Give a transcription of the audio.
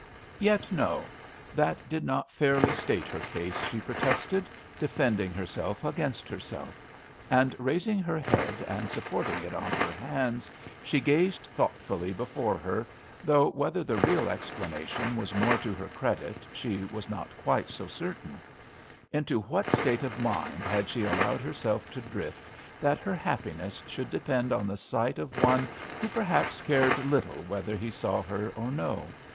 Yet no, that did not fairly state her case, she protested, defending herself against herself; and raising her head and sup porting it on her hands, she gazed thoughtfully before her, though whether the real explana tion was more to her credit she was not quite so certain* Into what state of mind had she allowed herself to drift, that her happiness should depend on the sight of one who perhaps cared little whether he saw her or no